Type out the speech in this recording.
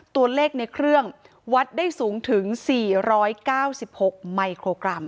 ตัวเลขในเครื่องวัดได้สูงถึง๔๙๖มิโครกรัม